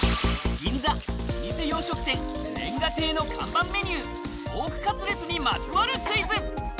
銀座、老舗洋食店、煉瓦亭の看板メニュー、ポークカツレツにまつわるクイズ。